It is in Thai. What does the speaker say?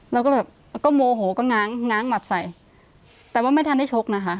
แล้วก็แบบก็โมโหก็ง้างง้างหมัดใส่แต่ว่าไม่ทันได้ชกนะคะ